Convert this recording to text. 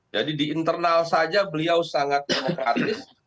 jadi di internal saja beliau sangat demokratis